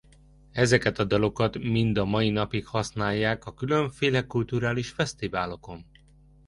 Ezeket a dalokat mind a mai napig használják a különféle kulturális fesztiválokon.